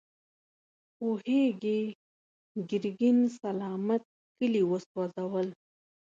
پوهېږې، ګرګين سلامت کلي وسوځول.